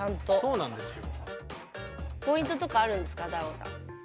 そうなんですよ。